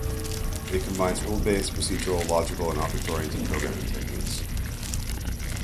It combines rule-based, procedural, logical and object-oriented programming techniques.